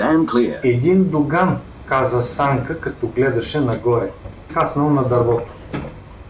— Един дуган — каза Санка, като гледаше нагоре, — кацнал на дървото.